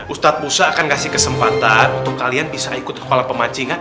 ustadz musa akan kasih kesempatan untuk kalian bisa ikut kepala pemancingan